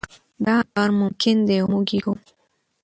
دا کار ممکن دی او موږ یې کوو.